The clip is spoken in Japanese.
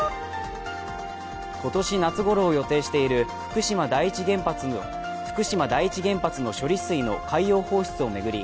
今年夏ごろを予定している福島第一原発の処理水の海洋放出を巡り